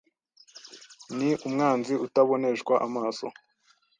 Ni umwanzi utaboneshwa amaso.